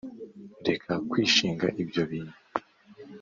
reka kwishinga ibyo bintu